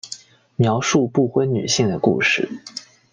描述不婚女性的故事。